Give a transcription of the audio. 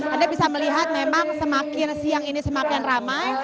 anda bisa melihat memang semakin siang ini semakin ramai